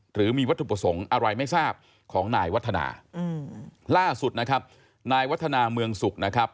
หรือมีวัตถุประสงค์อะไรไม่ทราบของนายวัฒนาล่าสุดนะครับนายวัฒนาเมืองสุขนะครับ